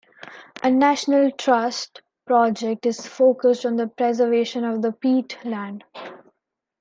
A National Trust project is focused on the preservation of the peatland.